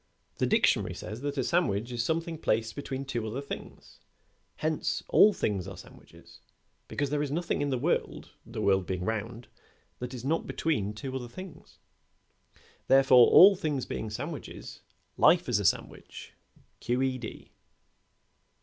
The dictionary says that a sandwich is something placed between two other things; hence, all things are sandwiches, because there is nothing in the world, the world being round, that is not between two other things. Therefore, all things being sandwiches, life is a sandwich, Q. E. D."